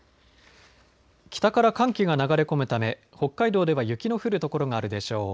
北から寒気が流れ込むため北海道では雪の降る所があるでしょう。